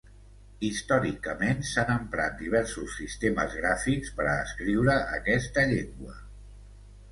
Històricament, s'han emprat diversos sistemes gràfics per a escriure aquesta llengua.